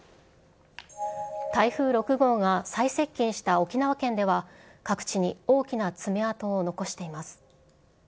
台風６号が再接近した沖縄県では、各地に大きな爪痕を残しています。